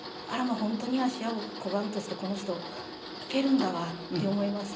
本当に芦屋小雁としてこの人いけるんだわって思いまして。